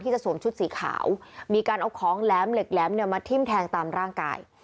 จะสวมชุดสีขาวมีการเอาของแหลมเหล็กแหลมเนี่ยมาทิ้มแทงตามร่างกาย